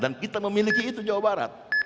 dan kita memiliki itu jawa barat